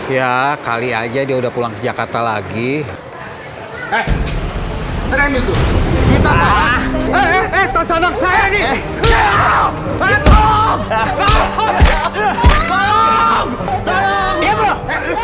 ya kali aja dia udah pulang jakarta lagi eh sering itu kita eh eh eh tos anak saya nih